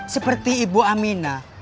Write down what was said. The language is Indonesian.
seperti ibu aminah